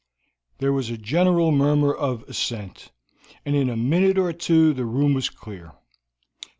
There was a general murmur of assent, and in a minute or two the room was clear.